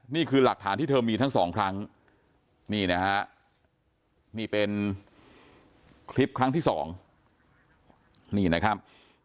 นี่คือหลักฐานที่เธอมีทั้งสองครั้งนี่นะฮะนี่เป็นคลิปครั้งที่สองนี่นะครับ